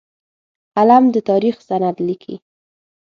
قلم د تاریخ سند لیکي